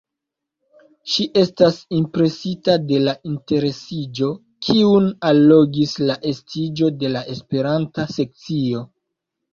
Ŝi estas impresita de la interesiĝo, kiun allogis la estiĝo de la Esperanta sekcio.